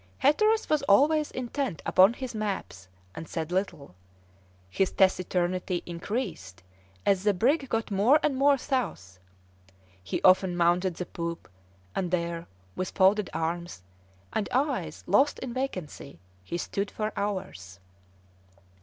Hatteras was always intent upon his maps, and said little; his taciturnity increased as the brig got more and more south; he often mounted the poop, and there with folded arms, and eyes lost in vacancy, he stood for hours.